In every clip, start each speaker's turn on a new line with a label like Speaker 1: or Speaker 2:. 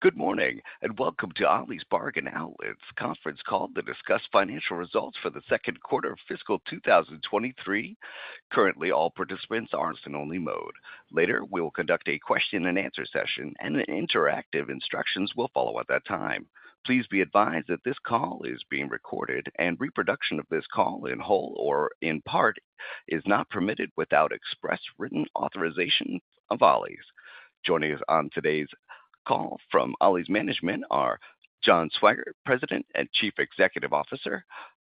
Speaker 1: Good morning, and welcome to Ollie's Bargain Outlet's Conference Call to Discuss Financial Results for the Second Quarter of Fiscal 2023. Currently, all participants are in listen-only mode. Later, we will conduct a question-and-answer session, and the interactive instructions will follow at that time. Please be advised that this call is being recorded, and reproduction of this call in whole or in part is not permitted without express written authorization of Ollie's. Joining us on today's call from Ollie's management are John Swygert, President and Chief Executive Officer;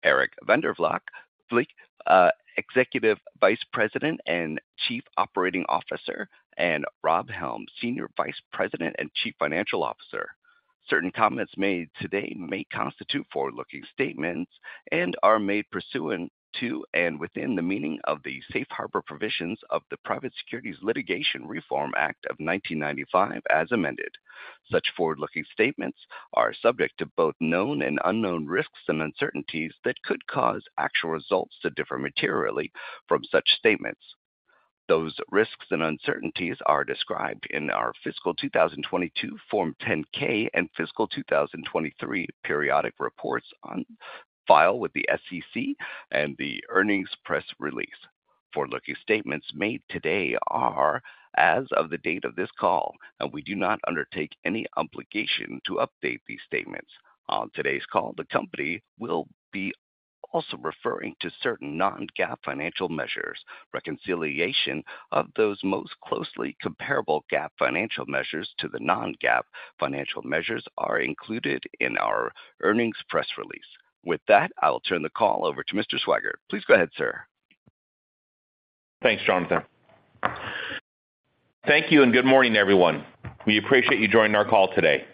Speaker 1: Eric van der Valk, Executive Vice President and Chief Operating Officer; and Rob Helm, Senior Vice President and Chief Financial Officer. Certain comments made today may constitute forward-looking statements and are made pursuant to and within the meaning of the Safe Harbor provisions of the Private Securities Litigation Reform Act of 1995, as amended. Such forward-looking statements are subject to both known and unknown risks and uncertainties that could cause actual results to differ materially from such statements. Those risks and uncertainties are described in our fiscal 2022 Form 10-K and fiscal 2023 periodic reports on file with the SEC and the earnings press release. Forward-looking statements made today are as of the date of this call, and we do not undertake any obligation to update these statements. On today's call, the company will be also referring to certain non-GAAP financial measures. Reconciliation of those most closely comparable GAAP financial measures to the non-GAAP financial measures are included in our earnings press release. With that, I will turn the call over to Mr. Swygert. Please go ahead, sir.
Speaker 2: Thanks, Jonathan. Thank you, and good morning, everyone. We appreciate you joining our call today.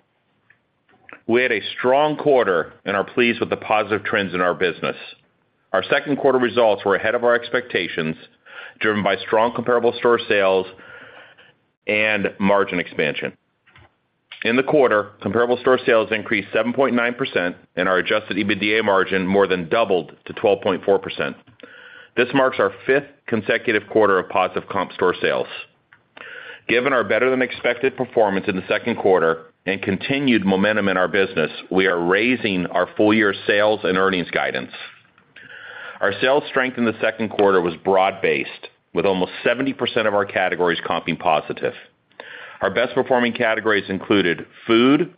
Speaker 2: We had a strong quarter and are pleased with the positive trends in our business. Our second quarter results were ahead of our expectations, driven by strong comparable store sales and margin expansion. In the quarter, comparable store sales increased 7.9%, and our Adjusted EBITDA margin more than doubled to 12.4%. This marks our fifth consecutive quarter of positive comp store sales. Given our better-than-expected performance in the second quarter and continued momentum in our business, we are raising our full-year sales and earnings guidance. Our sales strength in the second quarter was broad-based, with almost 70% of our categories comping positive. Our best-performing categories included food,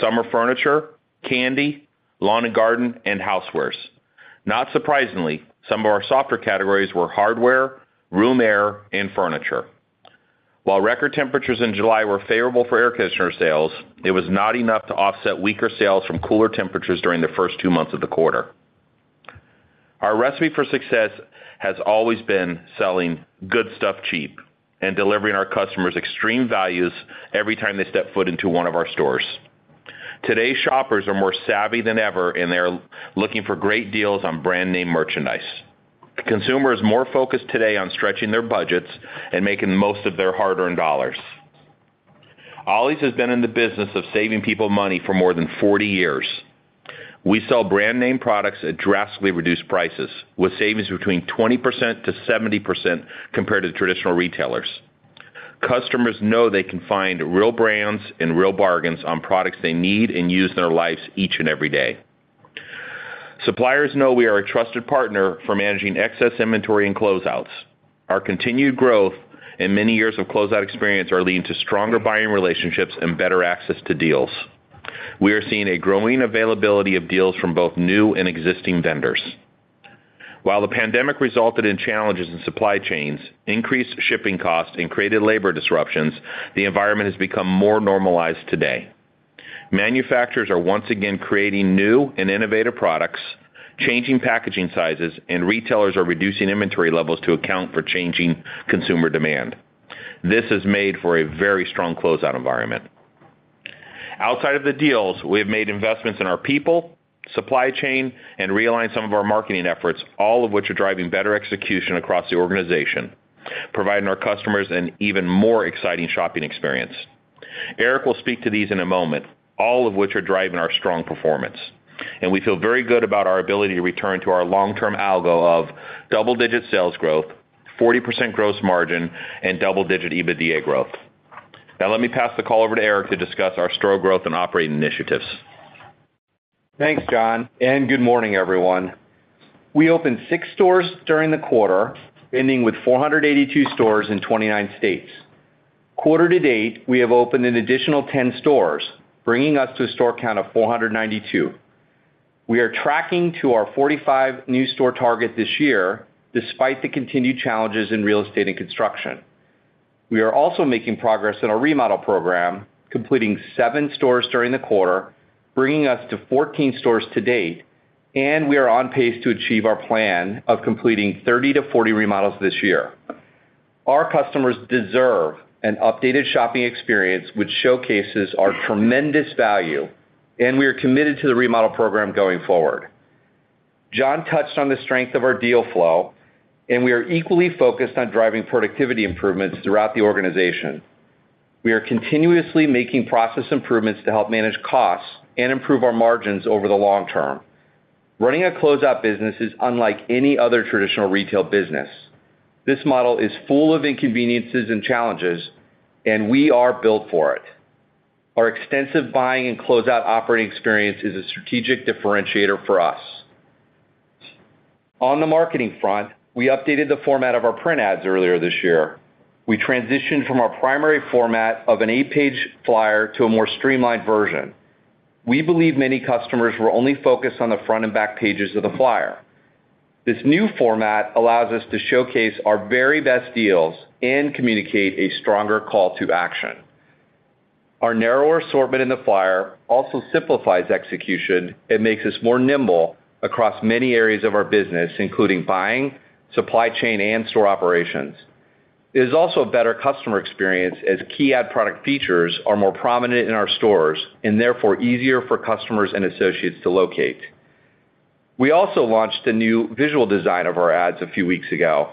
Speaker 2: summer furniture, candy, lawn and garden, and housewares. Not surprisingly, some of our softer categories were hardware, room air, and furniture. While record temperatures in July were favorable for air conditioner sales, it was not enough to offset weaker sales from cooler temperatures during the first two months of the quarter. Our recipe for success has always been selling good stuff cheap and delivering our customers extreme values every time they step foot into one of our stores. Today's shoppers are more savvy than ever, and they're looking for great deals on brand-name merchandise. The consumer is more focused today on stretching their budgets and making the most of their hard-earned dollars. Ollie's has been in the business of saving people money for more than 40 years. We sell brand-name products at drastically reduced prices, with savings between 20%-70% compared to traditional retailers. Customers know they can find real brands and real bargains on products they need and use in their lives each and every day. Suppliers know we are a trusted partner for managing excess inventory and closeouts. Our continued growth and many years of closeout experience are leading to stronger buying relationships and better access to deals. We are seeing a growing availability of deals from both new and existing vendors. While the pandemic resulted in challenges in supply chains, increased shipping costs, and created labor disruptions, the environment has become more normalized today. Manufacturers are once again creating new and innovative products, changing packaging sizes, and retailers are reducing inventory levels to account for changing consumer demand. This has made for a very strong closeout environment. Outside of the deals, we have made investments in our people, supply chain, and realigned some of our marketing efforts, all of which are driving better execution across the organization, providing our customers an even more exciting shopping experience. Eric will speak to these in a moment, all of which are driving our strong performance, and we feel very good about our ability to return to our long-term algo of double-digit sales growth, 40% gross margin, and double-digit EBITDA growth. Now, let me pass the call over to Eric to discuss our store growth and operating initiatives.
Speaker 3: Thanks, John, and good morning, everyone. We opened 6 stores during the quarter, ending with 482 stores in 29 states. Quarter to date, we have opened an additional 10 stores, bringing us to a store count of 492. We are tracking to our 45 new store target this year, despite the continued challenges in real estate and construction. We are also making progress in our remodel program, completing seven stores during the quarter, bringing us to 14 stores to date, and we are on pace to achieve our plan of completing 30-40 remodels this year. Our customers deserve an updated shopping experience, which showcases our tremendous value, and we are committed to the remodel program going forward. John touched on the strength of our deal flow, and we are equally focused on driving productivity improvements throughout the organization. We are continuously making process improvements to help manage costs and improve our margins over the long term. Running a closeout business is unlike any other traditional retail business. This model is full of inconveniences and challenges, and we are built for it. Our extensive buying and closeout operating experience is a strategic differentiator for us. On the marketing front, we updated the format of our print ads earlier this year. We transitioned from our primary format of an eight-page flyer to a more streamlined version. We believe many customers were only focused on the front and back pages of the flyer. This new format allows us to showcase our very best deals and communicate a stronger call to action. Our narrower assortment in the flyer also simplifies execution and makes us more nimble across many areas of our business, including buying, supply chain, and store operations. It is also a better customer experience, as key ad product features are more prominent in our stores and therefore easier for customers and associates to locate. We also launched a new visual design of our ads a few weeks ago.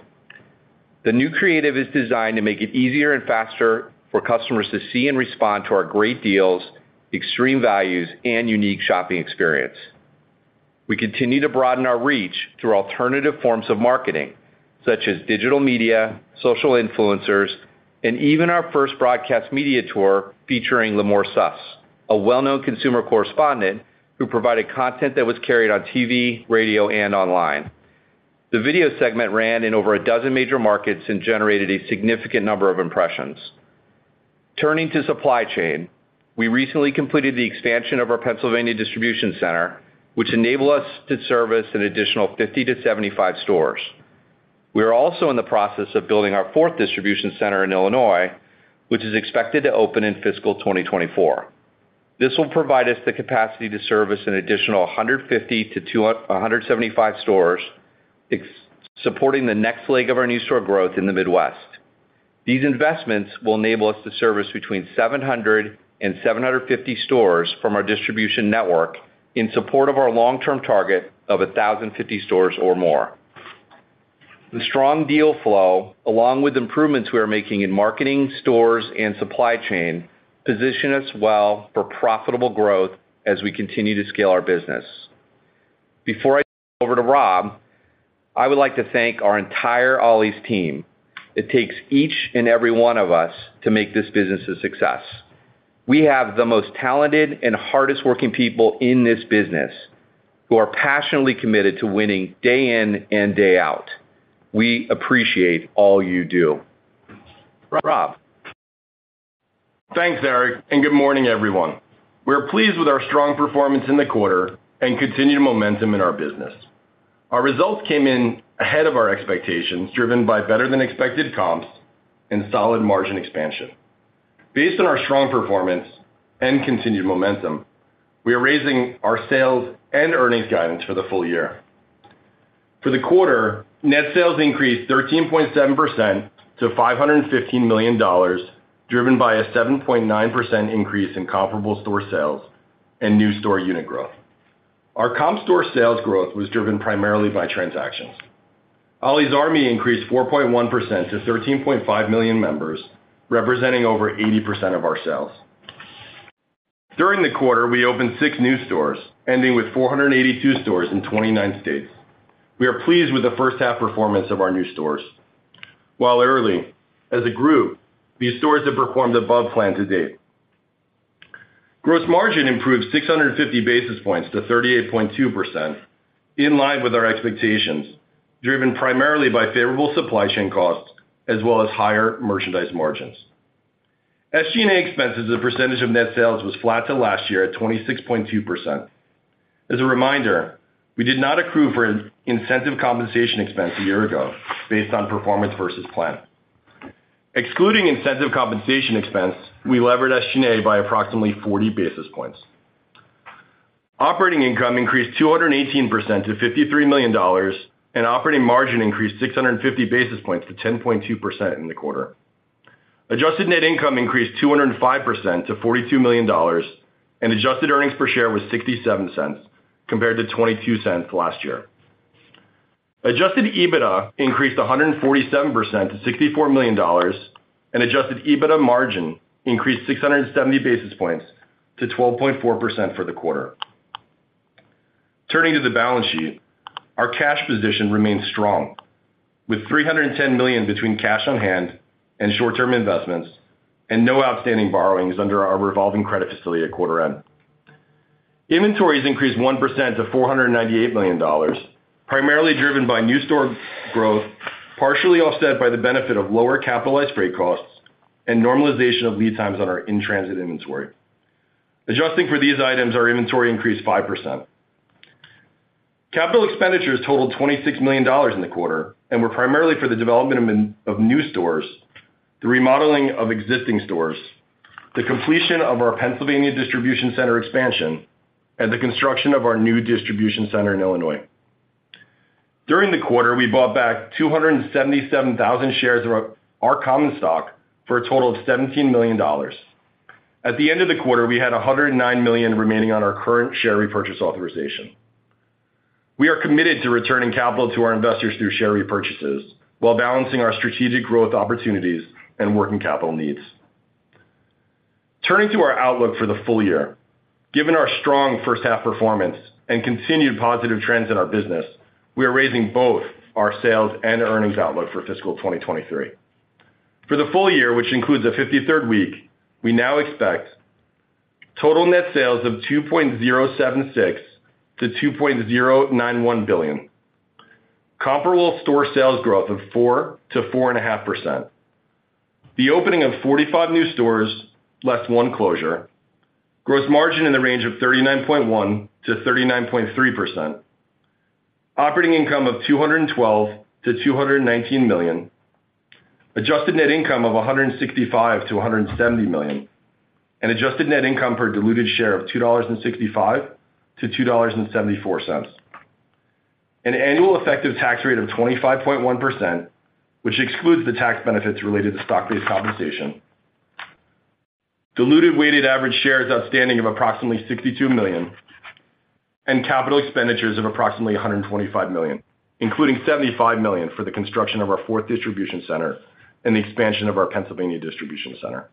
Speaker 3: The new creative is designed to make it easier and faster for customers to see and respond to our great deals, extreme values, and unique shopping experience. We continue to broaden our reach through alternative forms of marketing, such as digital media, social influencers, and even our first broadcast media tour featuring Limor Suss, a well-known consumer correspondent who provided content that was carried on TV, radio, and online. The video segment ran in over a dozen major markets and generated a significant number of impressions. Turning to supply chain, we recently completed the expansion of our Pennsylvania distribution center, which enable us to service an additional 50-75 stores. We are also in the process of building our fourth distribution center in Illinois, which is expected to open in fiscal 2024. This will provide us the capacity to service an additional 150-175 stores, supporting the next leg of our new store growth in the Midwest. These investments will enable us to service between 700 and 750 stores from our distribution network in support of our long-term target of 1,050 stores or more. The strong deal flow, along with improvements we are making in marketing, stores, and supply chain, position us well for profitable growth as we continue to scale our business. Before I turn it over to Rob, I would like to thank our entire Ollie's team. It takes each and every one of us to make this business a success. We have the most talented and hardest-working people in this business, who are passionately committed to winning day in and day out. We appreciate all you do. Rob?
Speaker 4: Thanks, Eric, and good morning, everyone. We're pleased with our strong performance in the quarter and continued momentum in our business. Our results came in ahead of our expectations, driven by better-than-expected comps and solid margin expansion. Based on our strong performance and continued momentum, we are raising our sales and earnings guidance for the full year. For the quarter, net sales increased 13.7% to $515 million, driven by a 7.9% increase in comparable store sales and new store unit growth. Our comp store sales growth was driven primarily by transactions. Ollie's Army increased 4.1% to 13.5 million members, representing over 80% of our sales. During the quarter, we opened six new stores, ending with 482 stores in 29 states. We are pleased with the first half performance of our new stores. While early, as a group, these stores have performed above plan to date. Gross margin improved 650 basis points to 38.2%, in line with our expectations, driven primarily by favorable supply chain costs as well as higher merchandise margins. SG&A expenses as a percentage of net sales was flat to last year at 26.2%. As a reminder, we did not accrue for incentive compensation expense a year ago based on performance versus plan. Excluding incentive compensation expense, we levered SG&A by approximately 40 basis points. Operating income increased 218% to $53 million, and operating margin increased 650 basis points to 10.2% in the quarter. Adjusted Net Income increased 205% to $42 million, and adjusted earnings per share was $0.67 compared to $0.22 last year. Adjusted EBITDA increased 147% to $64 million, and adjusted EBITDA margin increased 670 basis points to 12.4% for the quarter. Turning to the balance sheet, our cash position remains strong, with $310 million between cash on hand and short-term investments, and no outstanding borrowings under our revolving credit facility at quarter end. Inventories increased 1% to $498 million, primarily driven by new store growth, partially offset by the benefit of lower capitalized freight costs and normalization of lead times on our in-transit inventory. Adjusting for these items, our inventory increased 5%. Capital expenditures totaled $26 million in the quarter and were primarily for the development of new stores, the remodeling of existing stores, the completion of our Pennsylvania distribution center expansion, and the construction of our new distribution center in Illinois. During the quarter, we bought back 277,000 shares of our common stock for a total of $17 million. At the end of the quarter, we had $109 million remaining on our current share repurchase authorization. We are committed to returning capital to our investors through share repurchases while balancing our strategic growth opportunities and working capital needs. Turning to our outlook for the full year. Given our strong first half performance and continued positive trends in our business, we are raising both our sales and earnings outlook for fiscal 2023. For the full year, which includes a 53rd week, we now expect total net sales of $2.076 billion-$2.091 billion, comparable store sales growth of 4%-4.5%. The opening of 45 new stores net one closure, gross margin in the range of 39.1%-39.3%, operating income of $212 million-$219 million, adjusted net income of $165 million-$170 million, and adjusted net income per diluted share of $2.65-$2.74. An annual effective tax rate of 25.1%, which excludes the tax benefits related to stock-based compensation. Diluted weighted average shares outstanding of approximately 62 million, and capital expenditures of approximately $125 million, including $75 million for the construction of our fourth distribution center and the expansion of our Pennsylvania distribution center.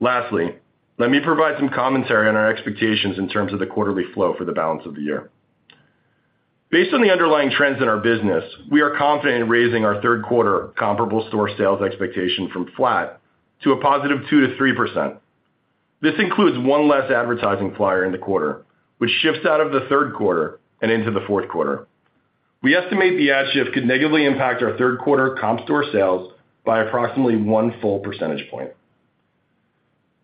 Speaker 4: Lastly, let me provide some commentary on our expectations in terms of the quarterly flow for the balance of the year. Based on the underlying trends in our business, we are confident in raising our third quarter comparable store sales expectation from flat to a positive 2%-3%. This includes one less advertising flyer in the quarter, which shifts out of the third quarter and into the fourth quarter. We estimate the ad shift could negatively impact our third quarter comp store sales by approximately one full percentage point.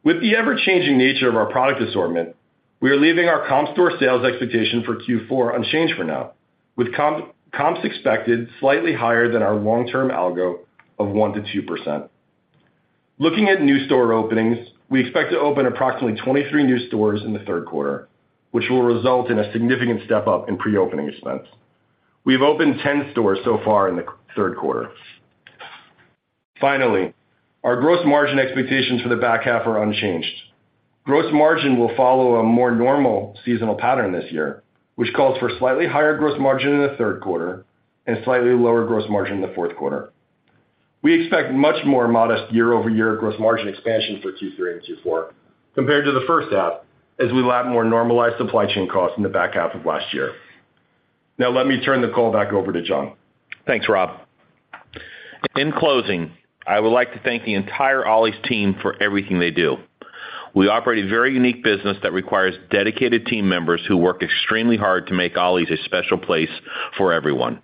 Speaker 4: With the ever-changing nature of our product assortment, we are leaving our comp store sales expectation for Q4 unchanged for now, with comps expected slightly higher than our long-term algo of 1%-2%. Looking at new store openings, we expect to open approximately 23 new stores in the third quarter, which will result in a significant step up in pre-opening expense. We've opened 10 stores so far in the third quarter. Finally, our gross margin expectations for the back half are unchanged. Gross margin will follow a more normal seasonal pattern this year, which calls for slightly higher gross margin in the third quarter and slightly lower gross margin in the fourth quarter. We expect much more modest year-over-year gross margin expansion for Q3 and Q4 compared to the first half, as we lap more normalized supply chain costs in the back half of last year. Now, let me turn the call back over to John.
Speaker 2: Thanks, Rob. In closing, I would like to thank the entire Ollie's team for everything they do. We operate a very unique business that requires dedicated team members who work extremely hard to make Ollie's a special place for everyone.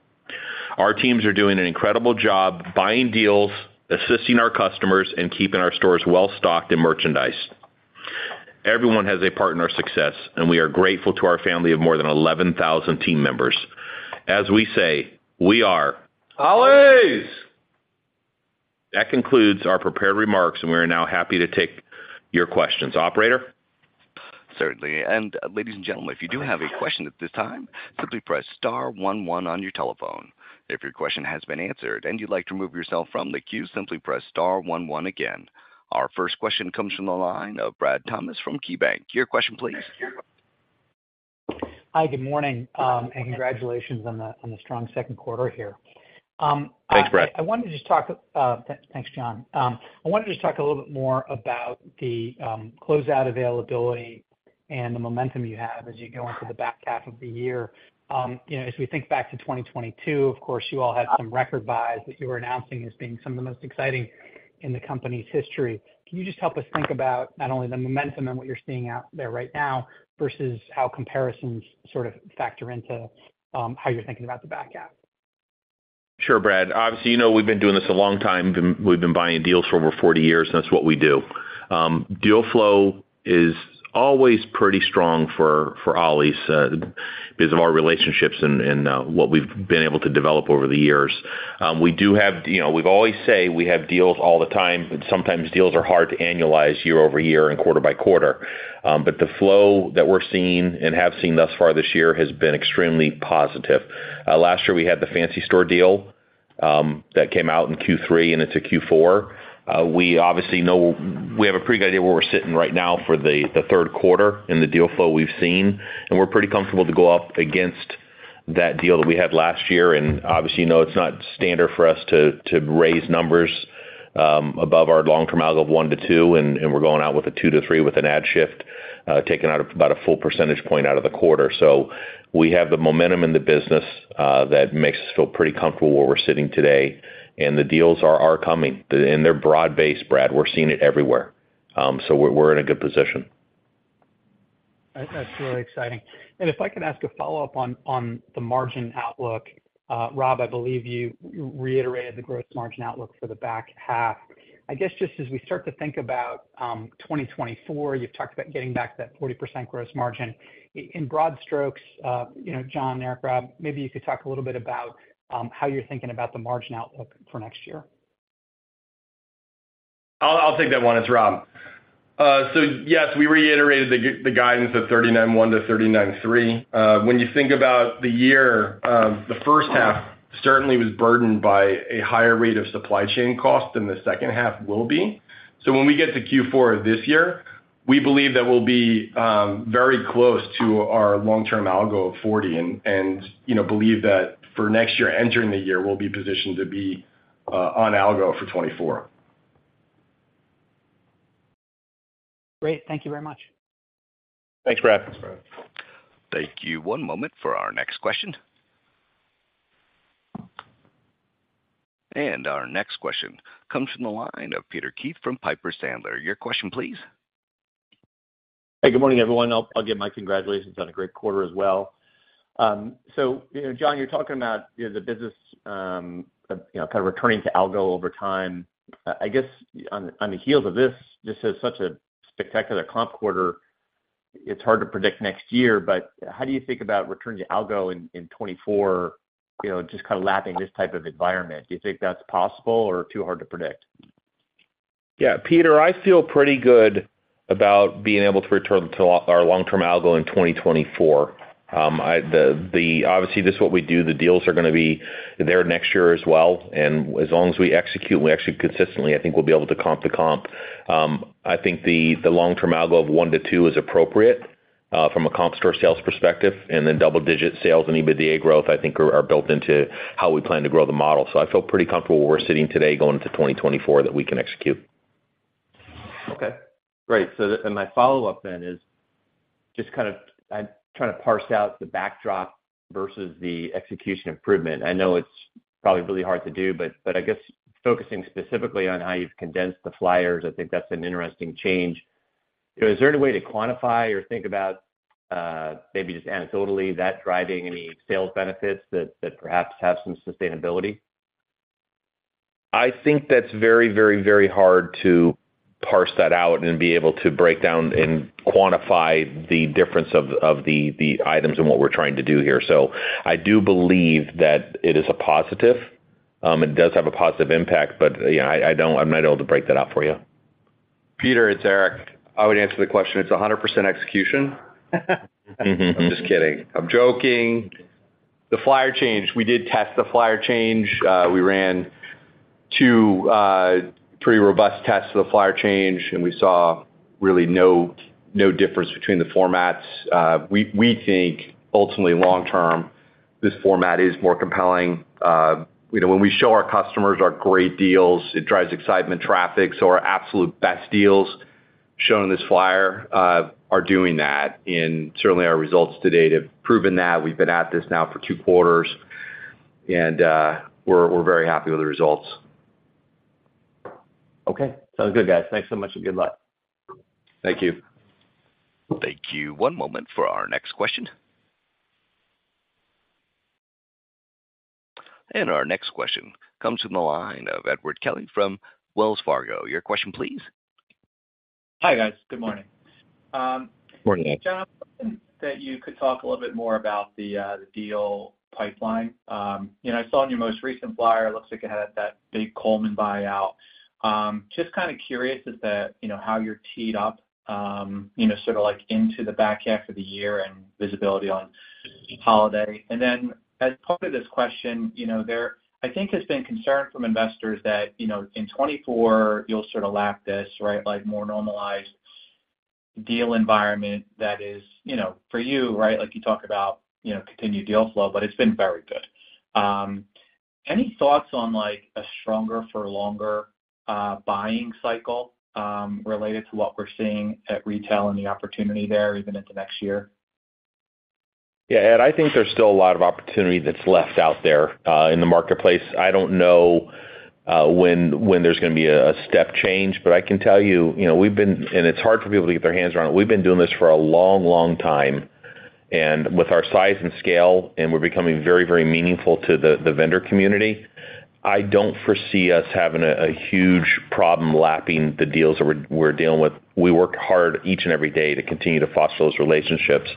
Speaker 2: Our teams are doing an incredible job buying deals, assisting our customers, and keeping our stores well stocked and merchandised. Everyone has a part in our success, and we are grateful to our family of more than 11,000 team members. As we say, we are Ollie's! That concludes our prepared remarks, and we are now happy to take your questions. Operator?
Speaker 1: Certainly. And ladies and gentlemen, if you do have a question at this time, simply press star one one on your telephone. If your question has been answered and you'd like to remove yourself from the queue, simply press star one one again. Our first question comes from the line of Brad Thomas from KeyBanc. Your question, please.
Speaker 5: Hi, good morning, and congratulations on the strong second quarter here.
Speaker 2: Thanks, Brad.
Speaker 5: Thanks, John. I wanted to just talk a little bit more about the closeout availability and the momentum you have as you go into the back half of the year. You know, as we think back to 2022, of course, you all had some record buys that you were announcing as being some of the most exciting in the company's history. Can you just help us think about not only the momentum and what you're seeing out there right now versus how comparisons sort of factor into how you're thinking about the back half?
Speaker 2: Sure, Brad. Obviously, you know, we've been doing this a long time. We've been buying deals for over 40 years, and that's what we do. Deal flow is always pretty strong for Ollie's, because of our relationships and what we've been able to develop over the years. We do have, you know, we've always say we have deals all the time, but sometimes deals are hard to annualize year-over-year and quarter-by-quarter. But the flow that we're seeing and have seen thus far this year has been extremely positive. Last year we had the Fancy store deal, that came out in Q3, and into Q4. We obviously know we have a pretty good idea where we're sitting right now for the third quarter in the deal flow we've seen, and we're pretty comfortable to go up against that deal that we had last year. Obviously, you know, it's not standard for us to raise numbers above our long-term algo of 1%-2%, and we're going out with a 2%-3% with an ad shift taking out about a full percentage point out of the quarter. So we have the momentum in the business that makes us feel pretty comfortable where we're sitting today, and the deals are coming, and they're broad-based, Brad. We're seeing it everywhere. So we're in a good position.
Speaker 5: That's really exciting. If I could ask a follow-up on the margin outlook. Rob, I believe you reiterated the gross margin outlook for the back half. I guess just as we start to think about 2024, you've talked about getting back that 40% gross margin. In broad strokes, you know, John, Eric, Rob, maybe you could talk a little bit about how you're thinking about the margin outlook for next year.
Speaker 4: I'll take that one. It's Rob. So yes, we reiterated the guidance of 39.1-39.3. When you think about the year, the first half certainly was burdened by a higher rate of supply chain cost than the second half will be. So when we get to Q4 of this year- We believe that we'll be very close to our long-term algo of 40, and, you know, believe that for next year, entering the year, we'll be positioned to be on algo for 24.
Speaker 5: Great. Thank you very much.
Speaker 2: Thanks, Brad.
Speaker 1: Thank you. One moment for our next question. Our next question comes from the line of Peter Keith from Piper Sandler. Your question, please.
Speaker 6: Hey, good morning, everyone. I'll, I'll give my congratulations on a great quarter as well. So, you know, John, you're talking about, you know, the business, you know, kind of returning to algo over time. I guess on, on the heels of this, this is such a spectacular comp quarter, it's hard to predict next year, but how do you think about returning to algo in 2024, you know, just kind of lapping this type of environment? Do you think that's possible or too hard to predict?
Speaker 2: Yeah, Peter, I feel pretty good about being able to return to our long-term algo in 2024. I, obviously, this is what we do. The deals are gonna be there next year as well, and as long as we execute, we execute consistently, I think we'll be able to comp the comp. I think the long-term algo of 1-2 is appropriate, from a comp store sales perspective, and then double-digit sales and EBITDA growth, I think, are built into how we plan to grow the model. So I feel pretty comfortable where we're sitting today going into 2024, that we can execute.
Speaker 6: Okay, great. So and my follow-up then is just kind of, I'm trying to parse out the backdrop versus the execution improvement. I know it's probably really hard to do, but, but I guess focusing specifically on how you've condensed the flyers, I think that's an interesting change. Is there any way to quantify or think about, maybe just anecdotally, that driving any sales benefits that, that perhaps have some sustainability?
Speaker 2: I think that's very, very, very hard to parse that out and be able to break down and quantify the difference of the items and what we're trying to do here. So I do believe that it is a positive. It does have a positive impact, but, you know, I don't. I'm not able to break that out for you.
Speaker 3: Peter, it's Eric. I would answer the question: It's 100% execution. I'm just kidding. I'm joking. The flyer change, we did test the flyer change. We ran two, pretty robust tests of the flyer change, and we saw really no, no difference between the formats. We think ultimately, long term, this format is more compelling. You know, when we show our customers our great deals, it drives excitement, traffic. So our absolute best deals shown in this flyer are doing that, and certainly, our results to date have proven that. We've been at this now for 2 quarters, and we're very happy with the results.
Speaker 6: Okay, sounds good, guys. Thanks so much and good luck.
Speaker 3: Thank you.
Speaker 1: Thank you. One moment for our next question. Our next question comes from the line of Edward Kelly from Wells Fargo. Your question, please.
Speaker 7: Hi, guys. Good morning.
Speaker 2: Morning.
Speaker 7: Hey, John, that you could talk a little bit more about the, the deal pipeline. You know, I saw in your most recent flyer, it looks like it had that big Coleman buyout. Just kind of curious is that, you know, how you're teed up, you know, sort of like into the back half of the year and visibility on holiday. And then as part of this question, you know, there, I think, has been concern from investors that, you know, in 2024, you'll sort of lap this, right? Like more normalized deal environment that is, you know, for you, right? Like, you talk about, you know, continued deal flow, but it's been very good. Any thoughts on, like, a stronger for longer, buying cycle, related to what we're seeing at retail and the opportunity there even into next year?
Speaker 2: Yeah, Ed, I think there's still a lot of opportunity that's left out there in the marketplace. I don't know when there's gonna be a step change, but I can tell you, you know, we've been doing this for a long, long time, and it's hard for people to get their hands around it. We've been doing this for a long, long time, and with our size and scale, and we're becoming very, very meaningful to the vendor community. I don't foresee us having a huge problem lapping the deals that we're dealing with. We work hard each and every day to continue to foster those relationships.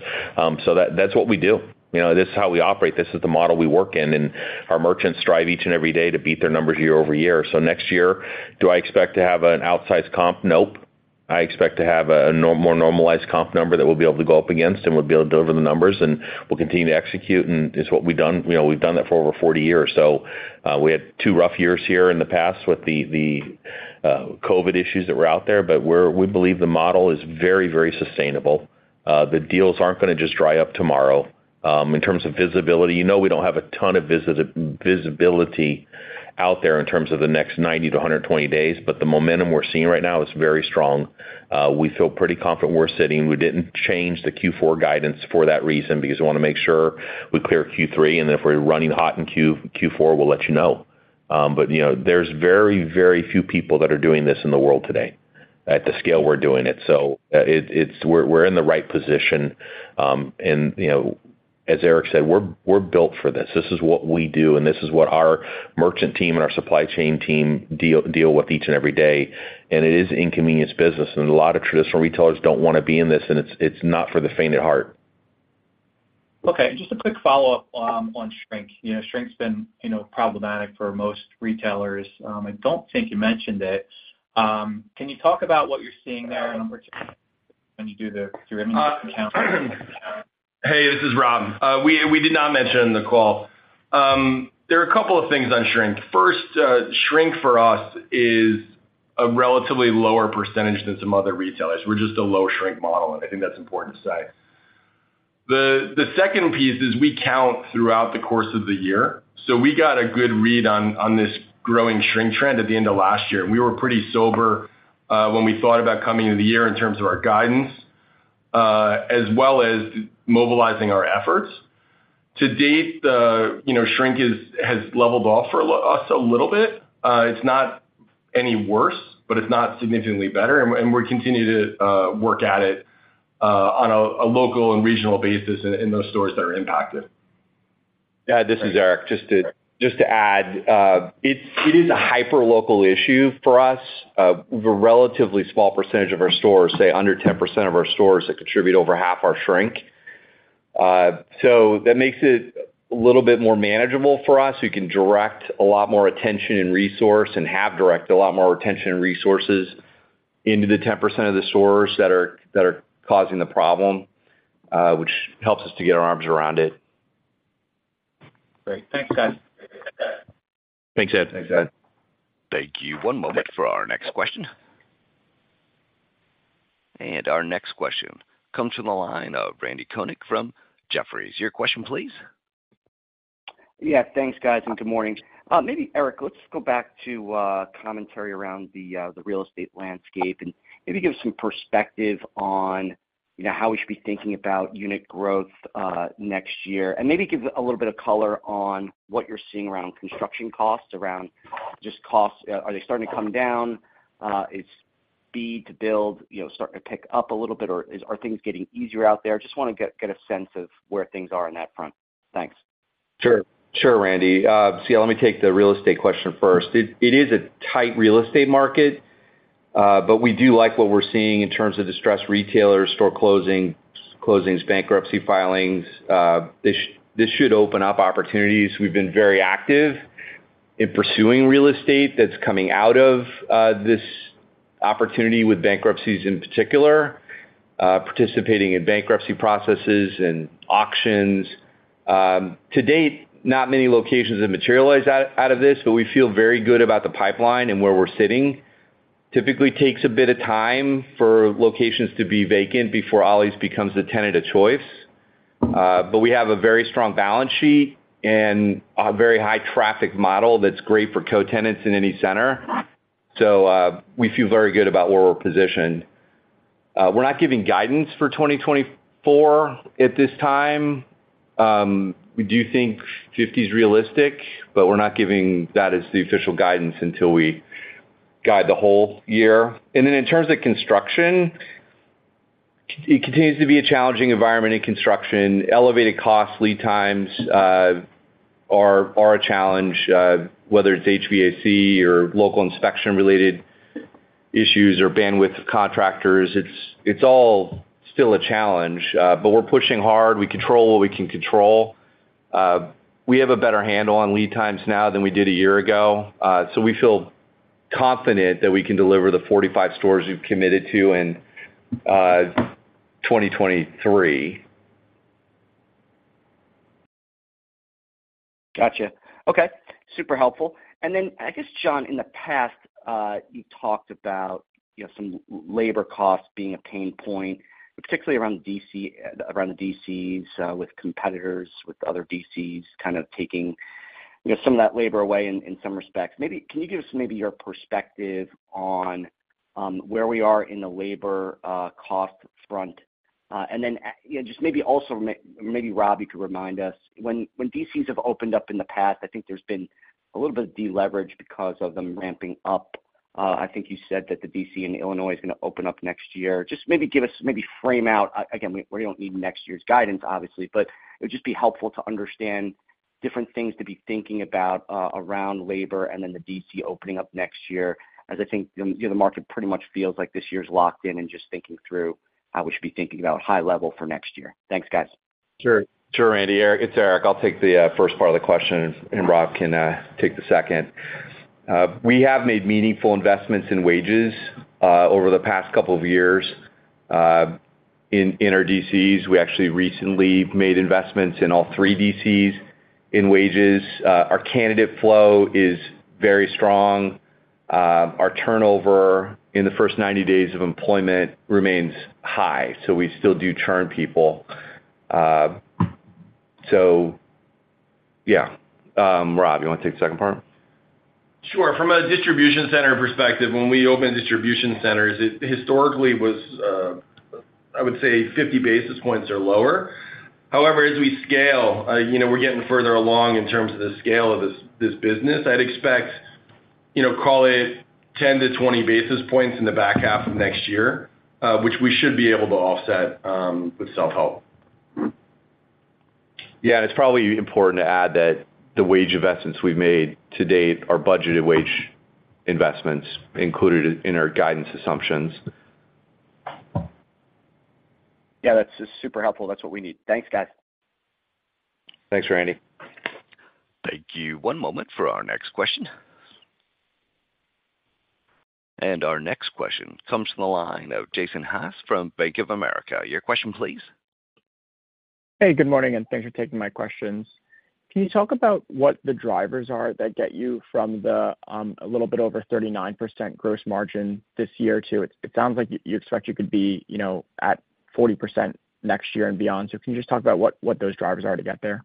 Speaker 2: So that's what we do. You know, this is how we operate. This is the model we work in, and our merchants strive each and every day to beat their numbers year over year. So next year, do I expect to have an outsized comp? Nope. I expect to have a more normalized comp number that we'll be able to go up against, and we'll be able to deliver the numbers, and we'll continue to execute, and it's what we've done, you know, we've done that for over 40 years. So, we had two rough years here in the past with the COVID issues that were out there, but we believe the model is very, very sustainable. The deals aren't gonna just dry up tomorrow. In terms of visibility, you know, we don't have a ton of visibility out there in terms of the next 90-120 days, but the momentum we're seeing right now is very strong. We feel pretty confident we're sitting. We didn't change the Q4 guidance for that reason, because we wanna make sure we clear Q3, and then if we're running hot in Q4, we'll let you know. But, you know, there's very, very few people that are doing this in the world today at the scale we're doing it. So, we're in the right position. And, you know, as Eric said, we're built for this. This is what we do, and this is what our merchant team and our supply chain team deal with each and every day. And it is inconvenience business, and a lot of traditional retailers don't wanna be in this, and it's not for the faint of heart.
Speaker 7: Okay, just a quick follow-up on shrink. You know, shrink's been, you know, problematic for most retailers. I don't think you mentioned it. Can you talk about what you're seeing there on shrink when you do your inventory count?
Speaker 4: Hey, this is Rob. We did not mention in the call. There are a couple of things on shrink. First, shrink for us is a relatively lower percentage than some other retailers. We're just a low shrink model, and I think that's important to say. The second piece is we count throughout the course of the year, so we got a good read on this growing shrink trend at the end of last year. We were pretty sober when we thought about coming into the year in terms of our guidance, as well as mobilizing our efforts. To date, you know, shrink has leveled off for us a little bit. It's not any worse, but it's not significantly better, and we're continuing to work at it on a local and regional basis in those stores that are impacted.
Speaker 3: Yeah, this is Eric. Just to, just to add, it is a hyper-local issue for us. We've a relatively small percentage of our stores, say, under 10% of our stores, that contribute over half our shrink. So that makes it a little bit more manageable for us. We can direct a lot more attention and resource, and have directed a lot more attention and resources into the 10% of the stores that are, that are causing the problem, which helps us to get our arms around it.
Speaker 7: Great. Thanks, guys.
Speaker 2: Thanks, Ed.
Speaker 4: Thanks, Ed.
Speaker 1: Thank you. One moment for our next question. Our next question comes from the line of Randy Konik from Jefferies. Your question, please.
Speaker 8: Yeah, thanks, guys, and good morning. Maybe, Eric, let's go back to commentary around the real estate landscape and maybe give some perspective on, you know, how we should be thinking about unit growth next year. And maybe give a little bit of color on what you're seeing around construction costs, around just costs. Are they starting to come down? Is speed to build, you know, starting to pick up a little bit, or are things getting easier out there? Just want to get a sense of where things are on that front. Thanks.
Speaker 3: Sure. Sure, Randy. So let me take the real estate question first. It is a tight real estate market, but we do like what we're seeing in terms of distressed retailers, store closings, closings, bankruptcy filings. This should open up opportunities. We've been very active in pursuing real estate that's coming out of this opportunity with bankruptcies, in particular, participating in bankruptcy processes and auctions. To date, not many locations have materialized out of this, but we feel very good about the pipeline and where we're sitting. Typically takes a bit of time for locations to be vacant before Ollie's becomes the tenant of choice. But we have a very strong balance sheet and a very high traffic model that's great for co-tenants in any center. So, we feel very good about where we're positioned. We're not giving guidance for 2024 at this time. We do think 50 is realistic, but we're not giving that as the official guidance until we guide the whole year. And then in terms of construction, it continues to be a challenging environment in construction. Elevated costs, lead times, are a challenge, whether it's HVAC or local inspection-related issues or bandwidth of contractors, it's all still a challenge, but we're pushing hard. We control what we can control. We have a better handle on lead times now than we did a year ago, so we feel confident that we can deliver the 45 stores we've committed to in 2023.
Speaker 8: Gotcha. Okay, super helpful. And then I guess, John, in the past, you talked about, you know, some labor costs being a pain point, particularly around DC, around the DCs, with competitors, with other DCs, kind of taking, you know, some of that labor away in some respects. Maybe, can you give us maybe your perspective on, where we are in the labor, cost front? And then, you know, just maybe also maybe, Rob, you could remind us when DCs have opened up in the past, I think there's been a little bit of deleverage because of them ramping up. I think you said that the DC in Illinois is gonna open up next year. Just maybe give us, maybe frame out. Again, we don't need next year's guidance, obviously, but it would just be helpful to understand different things to be thinking about around labor and then the DC opening up next year, as I think, you know, the market pretty much feels like this year's locked in and just thinking through how we should be thinking about high level for next year. Thanks, guys.
Speaker 3: Sure. Sure, Randy. Eric, it's Eric. I'll take the first part of the question, and Rob can take the second. We have made meaningful investments in wages over the past couple of years in our DCs. We actually recently made investments in all three DCs in wages. Our candidate flow is very strong. Our turnover in the first 90 days of employment remains high, so we still do churn people. So yeah. Rob, you want to take the second part?
Speaker 4: Sure. From a distribution center perspective, when we open distribution centers, it historically was, I would say 50 basis points or lower. However, as we scale, you know, we're getting further along in terms of the scale of this, this business. I'd expect, you know, call it 10-20 basis points in the back half of next year, which we should be able to offset, with self-help.
Speaker 3: Yeah, and it's probably important to add that the wage investments we've made to date are budgeted wage investments included in our guidance assumptions.
Speaker 8: Yeah, that's just super helpful. That's what we need. Thanks, guys.
Speaker 3: Thanks, Randy.
Speaker 1: Thank you. One moment for our next question. Our next question comes from the line of Jason Haas from Bank of America. Your question, please.
Speaker 9: Hey, good morning, and thanks for taking my questions. Can you talk about what the drivers are that get you from the, a little bit over 39% gross margin this year to it sounds like you expect you could be, you know, at 40% next year and beyond. So can you just talk about what those drivers are to get there?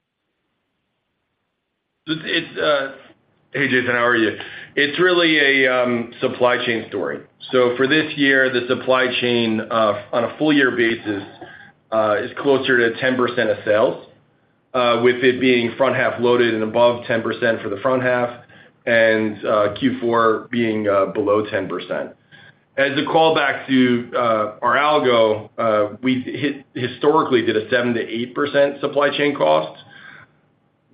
Speaker 4: Hey, Jason, how are you? It's really a supply chain story. So for this year, the supply chain on a full year basis is closer to 10% of sales, with it being front half loaded and above 10% for the front half and Q4 being below 10%. As a callback to our algo, we historically did a 7%-8% supply chain cost.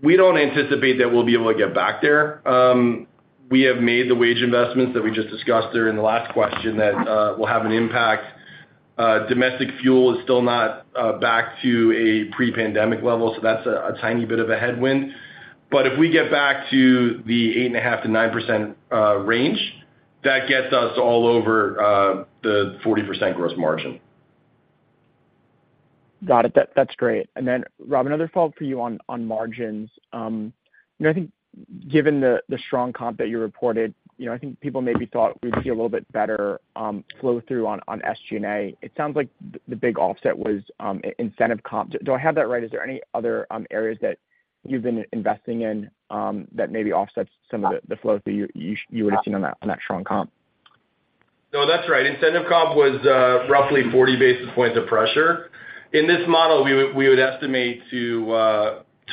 Speaker 4: We don't anticipate that we'll be able to get back there. We have made the wage investments that we just discussed there in the last question that will have an impact. Domestic fuel is still not back to a pre-pandemic level, so that's a tiny bit of a headwind. But if we get back to the 8.5%-9% range, that gets us all over the 40% gross margin.
Speaker 9: Got it. That's great. And then, Rob, another follow-up for you on margins. You know, I think given the strong comp that you reported, you know, I think people maybe thought we would see a little bit better flow through on SG&A. It sounds like the big offset was incentive comp. Do I have that right? Is there any other areas that you've been investing in that maybe offsets some of the flow through you would have seen on that strong comp?
Speaker 4: No, that's right. Incentive comp was roughly 40 basis points of pressure. In this model, we would, we would estimate to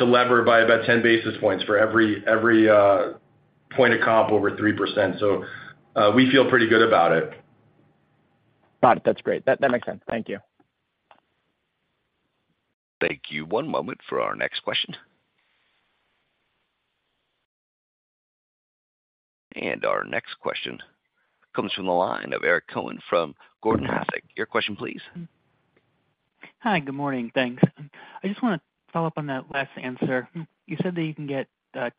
Speaker 4: lever by about 10 basis points for every, every point of comp over 3%. So, we feel pretty good about it.
Speaker 9: Got it. That's great. That, that makes sense. Thank you.
Speaker 1: Thank you. One moment for our next question. Our next question comes from the line of Eric Cohen from Gordon Haskett. Your question, please.
Speaker 10: Hi, good morning. Thanks. I just wanna follow up on that last answer. You said that you can get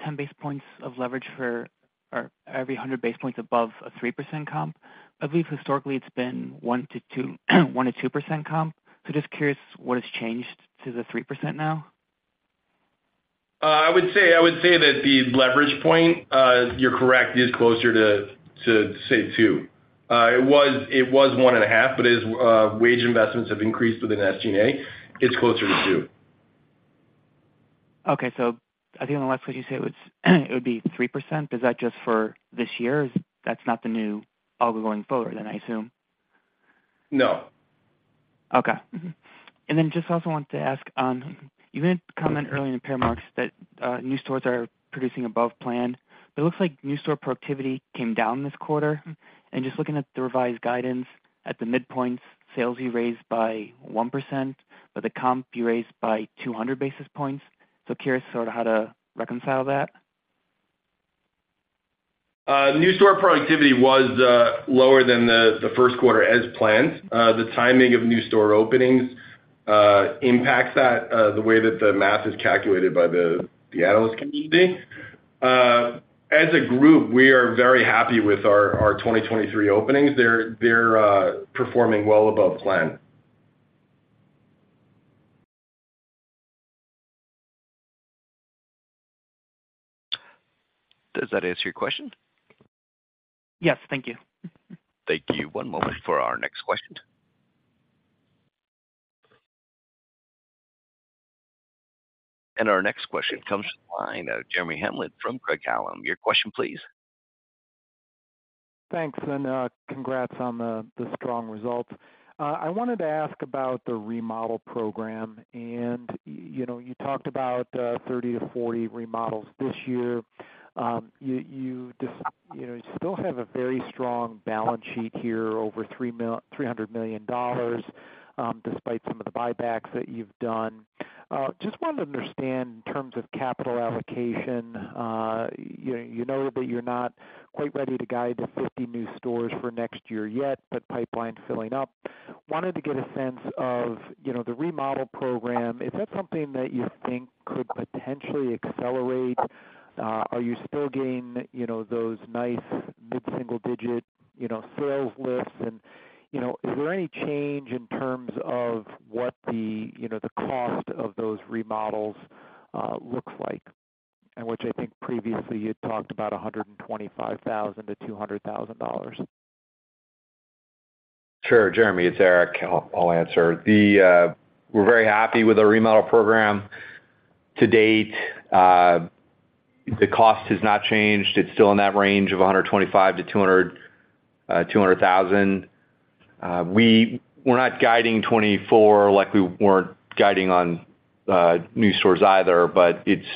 Speaker 10: 10 basis points of leverage for, or every 100 basis points above a 3% comp. I believe historically, it's been 1%-2%, 1%-2% comp. So just curious, what has changed to the 3% now?
Speaker 4: I would say that the leverage point, you're correct, is closer to, say, two. It was 1.5, but as wage investments have increased within SG&A, it's closer to two.
Speaker 10: Okay, so I think on the last what you said was, it would be 3%. Is that just for this year? That's not the new algo going forward then, I assume?
Speaker 4: No.
Speaker 10: Okay. Mm-hmm. And then just also wanted to ask, you made a comment earlier in the remarks that, new stores are producing above planned. But it looks like new store productivity came down this quarter. And just looking at the revised guidance at the midpoints, sales you raised by 1%, but the comp you raised by 200 basis points. So curious sort of how to reconcile that?
Speaker 4: New store productivity was lower than the first quarter as planned. The timing of new store openings impacts that the way that the math is calculated by the analyst community. As a group, we are very happy with our 2023 openings. They're performing well above plan.
Speaker 1: Does that answer your question?
Speaker 10: Yes. Thank you.
Speaker 1: Thank you. One moment for our next question. Our next question comes from the line of Jeremy Hamblin from Craig-Hallum. Your question, please.
Speaker 11: Thanks, and congrats on the strong results. I wanted to ask about the remodel program, and you know, you talked about 30-40 remodels this year. You know, you still have a very strong balance sheet here, over $300 million, despite some of the buybacks that you've done. Just wanted to understand in terms of capital allocation, you know that you're not quite ready to guide the 50 new stores for next year yet, but pipeline filling up. Wanted to get a sense of, you know, the remodel program, is that something that you think could potentially accelerate? Are you still getting, you know, those nice mid-single-digit sales lifts? you know, is there any change in terms of what the, you know, the cost of those remodels looks like? Which I think previously you had talked about $125,000-$200,000.
Speaker 3: Sure, Jeremy, it's Eric. I'll answer. We're very happy with our remodel program to date. The cost has not changed. It's still in that range of $125,000-$200,000. We're not guiding 2024, like we weren't guiding on new stores either, but it's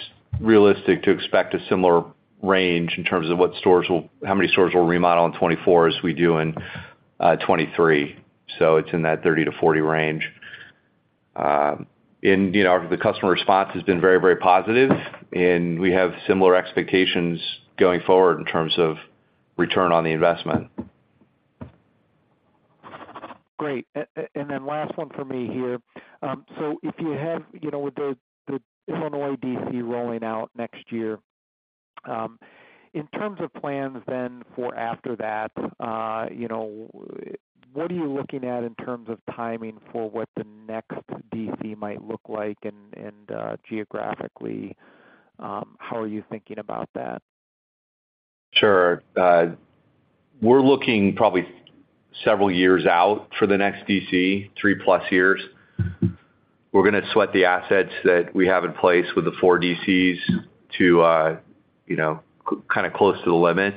Speaker 3: realistic to expect a similar range in terms of what stores will, how many stores we'll remodel in 2024 as we do in 2023. So it's in that 30-40 range. And, you know, the customer response has been very, very positive, and we have similar expectations going forward in terms of return on the investment.
Speaker 11: Great. And then last one for me here. So if you have, you know, with the Illinois DC rolling out next year, in terms of plans then for after that, you know, what are you looking at in terms of timing for what the next DC might look like? And geographically, how are you thinking about that?
Speaker 3: Sure. We're looking probably several years out for the next DC, 3+ years. We're gonna sweat the assets that we have in place with the four DCs to, you know, kind of close to the limit.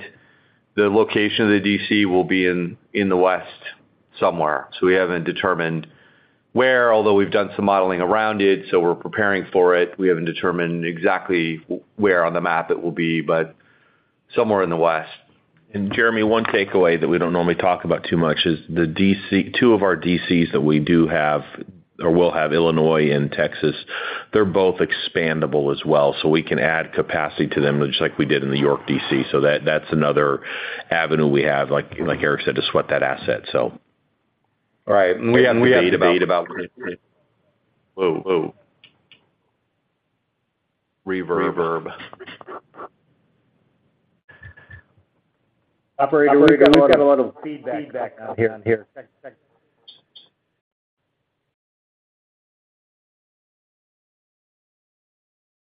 Speaker 3: The location of the DC will be in the West somewhere, so we haven't determined where, although we've done some modeling around it, so we're preparing for it. We haven't determined exactly where on the map it will be, but somewhere in the West.
Speaker 2: And Jeremy, one takeaway that we don't normally talk about too much is the DC, two of our DCs that we do have or will have, Illinois and Texas, they're both expandable as well, so we can add capacity to them, just like we did in the York DC. So that's another avenue we have, like Eric said, to sweat that asset, so. All right, and we have.
Speaker 3: Debate about Ollie's revenue.
Speaker 2: Operator, we've got a lot of feedback back out here.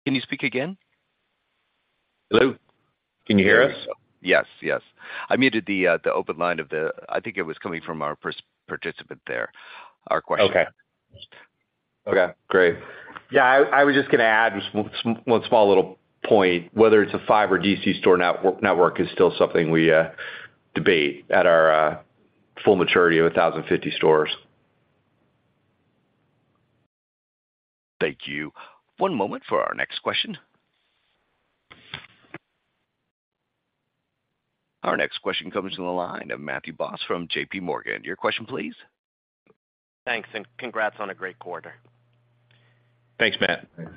Speaker 1: Can you speak again?
Speaker 2: Hello? Can you hear us? Yes. Yes. I muted the open line of the, I think it was coming from our first participant there. Our question.
Speaker 3: Okay. Okay, great. Yeah, I was just gonna add just one small little point. Whether it's a fifty or DC store network is still something we debate at our full maturity of 1,050 stores.
Speaker 1: Thank you. One moment for our next question. Our next question comes from the line of Matthew Boss from JP Morgan. Your question, please.
Speaker 12: Thanks, and congrats on a great quarter.
Speaker 2: Thanks, Matt.
Speaker 3: Thanks.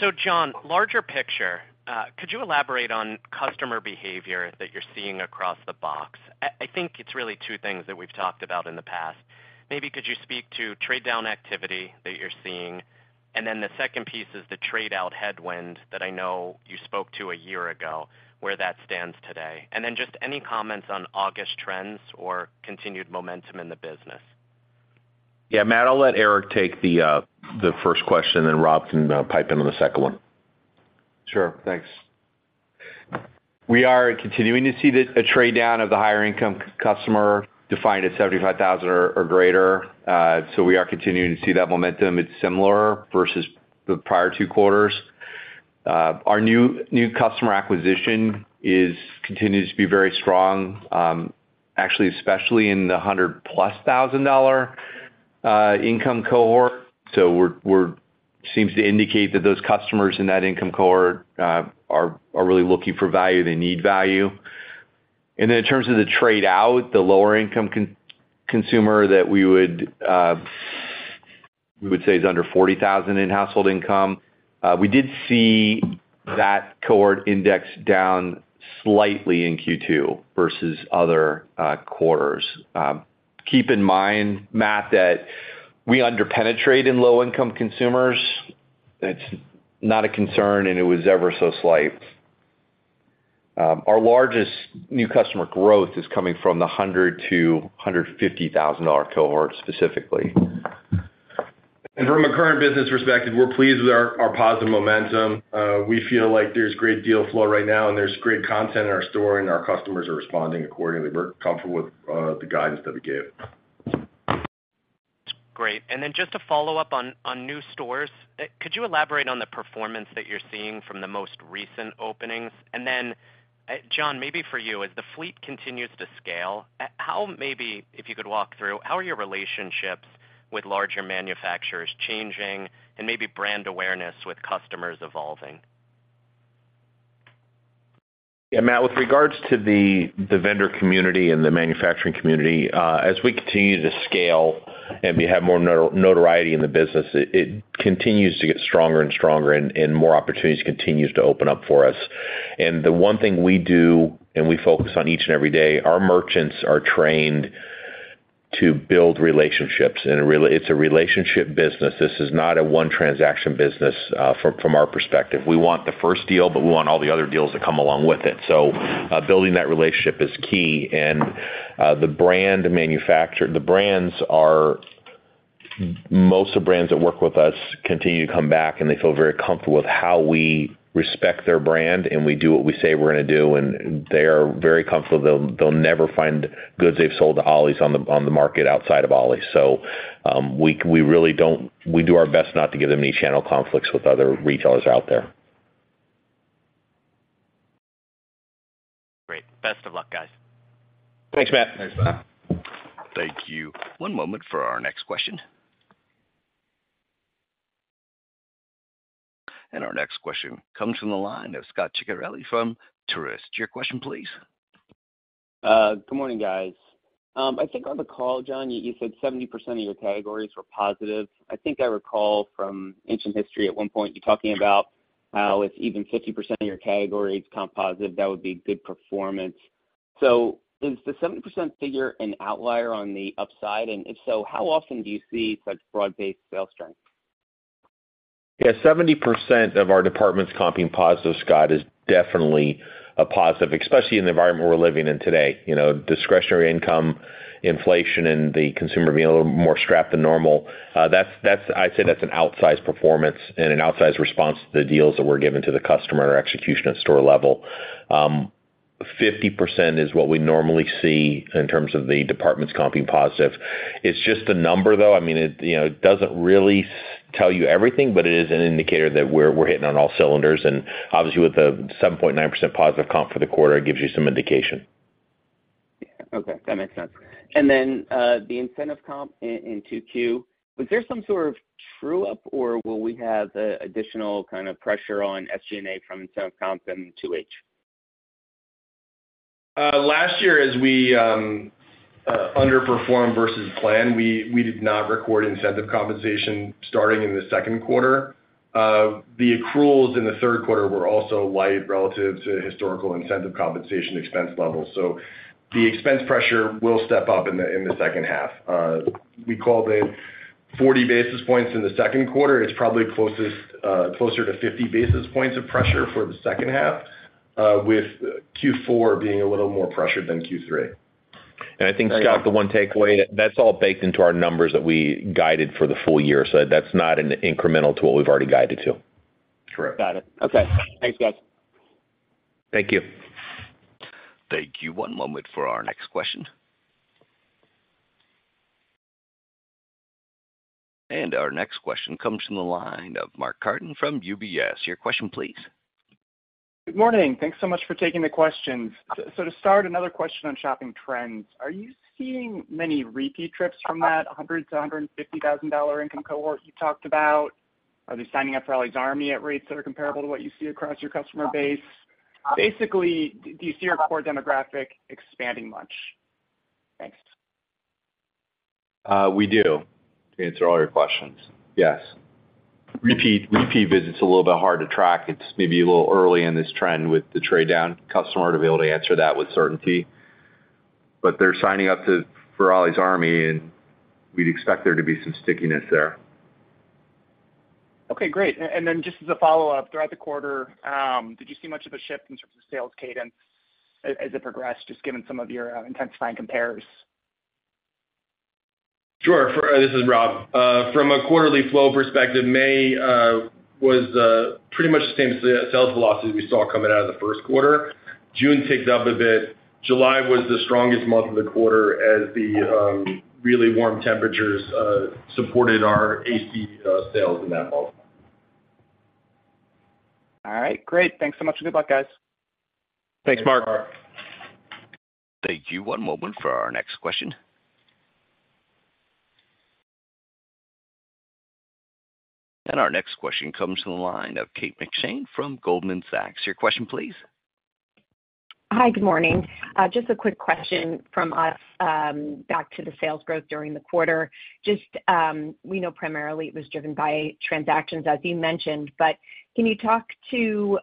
Speaker 12: So, John, larger picture, could you elaborate on customer behavior that you're seeing across the box? I think it's really two things that we've talked about in the past. Maybe could you speak to trade-down activity that you're seeing? And then the second piece is the trade-out headwind that I know you spoke to a year ago, where that stands today. And then just any comments on August trends or continued momentum in the business.
Speaker 2: Yeah, Matt, I'll let Eric take the first question, and then Rob can pipe in on the second one.
Speaker 3: Sure. Thanks. We are continuing to see a trade-down of the higher income customer, defined as $75,000 or greater. So we are continuing to see that momentum. It's similar versus the prior two quarters. Our new customer acquisition is continues to be very strong, actually, especially in the $100+ thousand dollar income cohort. So we're -- seems to indicate that those customers in that income cohort are really looking for value, they need value. And then in terms of the trade-out, the lower income consumer that we would say is under $40,000 in household income, we did see that cohort index down slightly in Q2 versus other quarters. Keep in mind, Matt, that we under penetrate in low-income consumers. It's not a concern, and it was ever so slight. Our largest new customer growth is coming from the $100,000-$150,000 dollar cohort specifically.
Speaker 2: From a current business perspective, we're pleased with our positive momentum. We feel like there's great deal flow right now, and there's great content in our store, and our customers are responding accordingly. We're comfortable with the guidance that we gave.
Speaker 12: Great. And then just to follow up on new stores, could you elaborate on the performance that you're seeing from the most recent openings? And then, John, maybe for you, as the fleet continues to scale, how maybe if you could walk through, how are your relationships with larger manufacturers changing and maybe brand awareness with customers evolving?
Speaker 2: Yeah, Matt, with regards to the vendor community and the manufacturing community, as we continue to scale and we have more notoriety in the business, it continues to get stronger and stronger and more opportunities continues to open up for us. And the one thing we do, and we focus on each and every day, our merchants are trained to build relationships, and it's a relationship business. This is not a one-transaction business from our perspective. We want the first deal, but we want all the other deals that come along with it. So, building that relationship is key. And the brand manufacturer, the brands are. Most of the brands that work with us continue to come back, and they feel very comfortable with how we respect their brand, and we do what we say we're gonna do, and they are very comfortable. They'll never find goods they've sold to Ollie's on the market outside of Ollie's. So, we really don't we do our best not to give them any channel conflicts with other retailers out there.
Speaker 12: Great. Best of luck, guys.
Speaker 2: Thanks, Matt.
Speaker 3: Thanks, Matt.
Speaker 1: Thank you. One moment for our next question. Our next question comes from the line of Scot Ciccarelli from Truist. Your question, please.
Speaker 13: Good morning, guys. I think on the call, John, you, you said 70% of your categories were positive. I think I recall from ancient history at one point, you talking about. How it's even 50% of your categories comp positive, that would be good performance. So is the 70% figure an outlier on the upside? And if so, how often do you see such broad-based sales strength?
Speaker 2: Yeah, 70% of our departments comping positive, Scot, is definitely a positive, especially in the environment we're living in today. You know, discretionary income, inflation, and the consumer being a little more strapped than normal, that's, I'd say that's an outsized performance and an outsized response to the deals that we're giving to the customer or execution at store level. 50% is what we normally see in terms of the departments comping positive. It's just the number, though. I mean, it doesn't really tell you everything, but it is an indicator that we're hitting on all cylinders, and obviously, with a 7.9% positive comp for the quarter, it gives you some indication.
Speaker 13: Yeah. Okay, that makes sense. And then, the incentive comp in 2Q, was there some sort of true up, or will we have additional kind of pressure on SG&A from incentive comp in 2H?
Speaker 4: Last year, as we underperformed versus plan, we did not record incentive compensation starting in the second quarter. The accruals in the third quarter were also light relative to historical incentive compensation expense levels. So the expense pressure will step up in the second half. We called it 40 basis points in the second quarter. It's probably closest, closer to 50 basis points of pressure for the second half, with Q4 being a little more pressured than Q3.
Speaker 2: I think, Scot, the one takeaway, that's all baked into our numbers that we guided for the full year. That's not an incremental to what we've already guided to.
Speaker 4: True.
Speaker 13: Got it. Okay. Thanks, guys.
Speaker 4: Thank you.
Speaker 1: Thank you. One moment for our next question. Our next question comes from the line of Mark Carden from UBS. Your question, please.
Speaker 14: Good morning. Thanks so much for taking the questions. To start, another question on shopping trends. Are you seeing many repeat trips from that $100,000-$150,000 income cohort you talked about? Are they signing up for Ollie's Army at rates that are comparable to what you see across your customer base? Basically, do you see your core demographic expanding much? Thanks.
Speaker 2: We do, to answer all your questions. Yes. Repeat visits a little bit hard to track. It's maybe a little early in this trend with the trade down customer to be able to answer that with certainty. But they're signing up for Ollie's Army, and we'd expect there to be some stickiness there.
Speaker 14: Okay, great. And then just as a follow-up, throughout the quarter, did you see much of a shift in terms of sales cadence as it progressed, just given some of your intensifying compares?
Speaker 4: Sure. This is Rob. From a quarterly flow perspective, May was pretty much the same sales velocity we saw coming out of the first quarter. June ticked up a bit. July was the strongest month of the quarter as the really warm temperatures supported our AC sales in that month.
Speaker 14: All right, great. Thanks so much, and good luck, guys.
Speaker 2: Thanks, Mark.
Speaker 4: Thanks, Mark.
Speaker 1: Thank you. One moment for our next question. Our next question comes from the line of Kate McShane from Goldman Sachs. Your question, please.
Speaker 15: Hi, good morning. Just a quick question from us, back to the sales growth during the quarter. Just, we know primarily it was driven by transactions, as you mentioned, but can you talk to,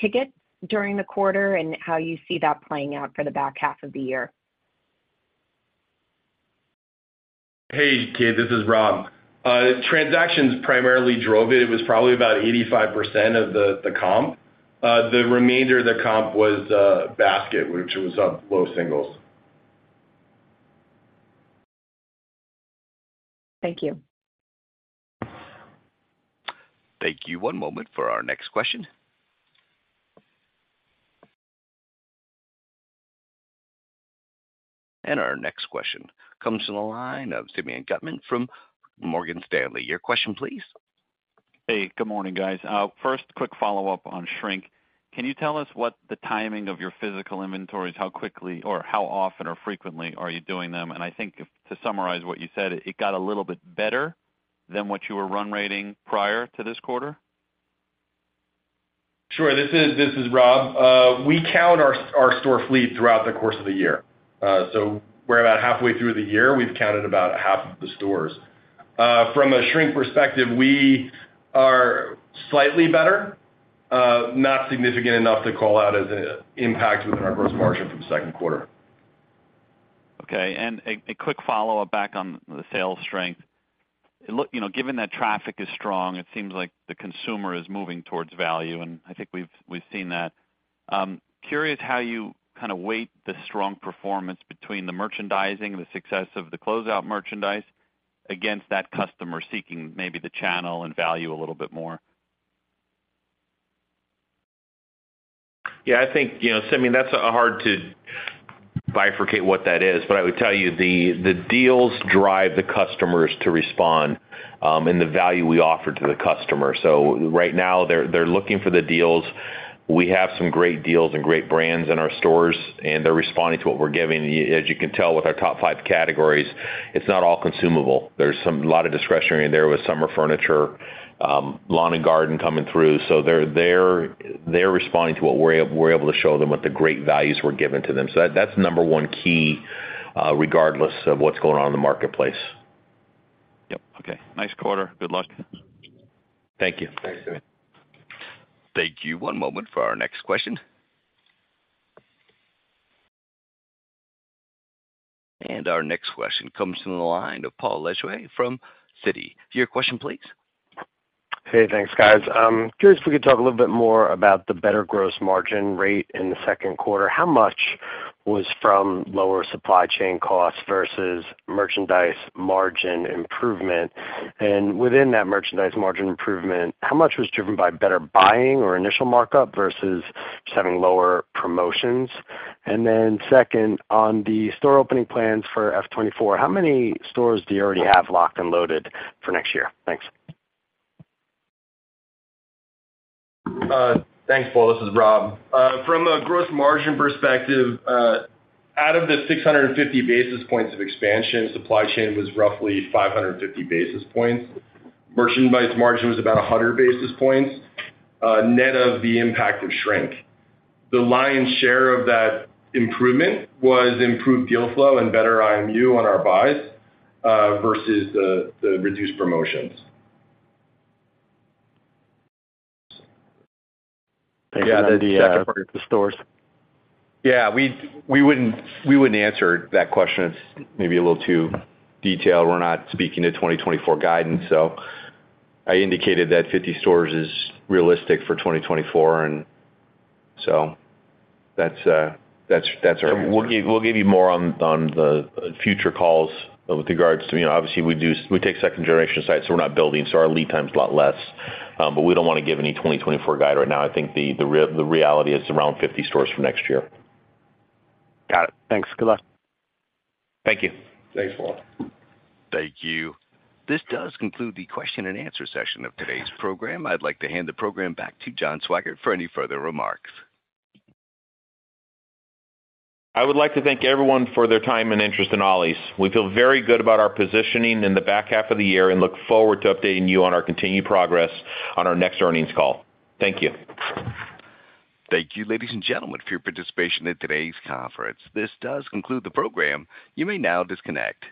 Speaker 15: tickets during the quarter and how you see that playing out for the back half of the year?
Speaker 4: Hey, Kate, this is Rob. Transactions primarily drove it. It was probably about 85% of the comp. The remainder of the comp was basket, which was up low singles.
Speaker 15: Thank you.
Speaker 1: Thank you. One moment for our next question. Our next question comes from the line of Simeon Gutman from Morgan Stanley. Your question, please.
Speaker 16: Hey, good morning, guys. First, quick follow-up on shrink. Can you tell us what the timing of your physical inventories, how quickly or how often or frequently are you doing them? And I think to summarize what you said, it got a little bit better than what you were run rating prior to this quarter.
Speaker 4: Sure. This is Rob. We count our store fleet throughout the course of the year. We're about halfway through the year. We've counted about half of the stores. From a shrink perspective, we are slightly better, not significant enough to call out as an impact within our gross margin for the second quarter.
Speaker 16: Okay. And a quick follow-up back on the sales strength. Look, you know, given that traffic is strong, it seems like the consumer is moving towards value, and I think we've seen that. Curious how you kind of weight the strong performance between the merchandising and the success of the closeout merchandise against that customer seeking maybe the channel and value a little bit more.
Speaker 2: Yeah, I think, you know, Simeon, that's hard to bifurcate what that is, but I would tell you, the deals drive the customers to respond, and the value we offer to the customer. So right now, they're looking for the deals. We have some great deals and great brands in our stores, and they're responding to what we're giving. As you can tell with our top five categories, it's not all consumable. There's some, a lot of discretionary in there with summer furniture, lawn and garden coming through. So they're responding to what we're able to show them with the great values we're giving to them. So that's number one key, regardless of what's going on in the marketplace.
Speaker 16: Yep, okay. Nice quarter. Good luck.
Speaker 2: Thank you.
Speaker 4: Thanks, David.
Speaker 1: Thank you. One moment for our next question. Our next question comes from the line of Paul Lejuez from Citi. Your question, please.
Speaker 17: Hey, thanks, guys. Curious if we could talk a little bit more about the better gross margin rate in the second quarter. How much was from lower supply chain costs versus merchandise margin improvement? And within that merchandise margin improvement, how much was driven by better buying or initial markup versus just having lower promotions? And then second, on the store opening plans for FY 2024, how many stores do you already have locked and loaded for next year? Thanks.
Speaker 4: Thanks, Paul. This is Rob. From a Gross Margin perspective, out of the 650 basis points of expansion, supply chain was roughly 550 basis points. Merchandise margin was about 100 basis points, net of the impact of shrink. The lion's share of that improvement was improved deal flow and better IMU on our buys, versus the reduced promotions.
Speaker 17: Yeah, the second part of the stores.
Speaker 3: Yeah, we wouldn't answer that question. It's maybe a little too detailed. We're not speaking to 2024 guidance, so I indicated that 50 stores is realistic for 2024, and so that's our answer.
Speaker 2: We'll give you more on the future calls with regards to, you know, obviously, we do, we take second generation sites, so we're not building, so our lead time's a lot less. But we don't want to give any 2024 guide right now. I think the real, the reality is around 50 stores for next year.
Speaker 17: Got it. Thanks. Good luck.
Speaker 3: Thank you.
Speaker 4: Thanks, Paul.
Speaker 1: Thank you. This does conclude the question and answer session of today's program. I'd like to hand the program back to John Swygert for any further remarks.
Speaker 2: I would like to thank everyone for their time and interest in Ollie's. We feel very good about our positioning in the back half of the year and look forward to updating you on our continued progress on our next earnings call. Thank you.
Speaker 1: Thank you, ladies and gentlemen, for your participation in today's conference. This does conclude the program. You may now disconnect.